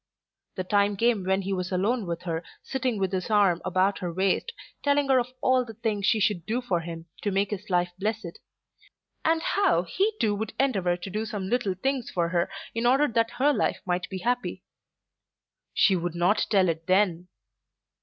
The time came when he was alone with her, sitting with his arm around her waist, telling her of all the things she should do for him to make his life blessed; and how he too would endeavour to do some little things for her in order that her life might be happy. She would not tell it then.